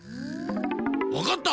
わかった！